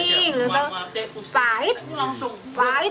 pahit abis itu pedis mas